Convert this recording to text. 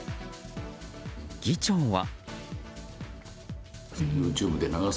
議長は。